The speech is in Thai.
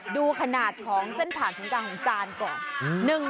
ดูขนาดของเส้นผ่านศูนย์กลางของจานก่อน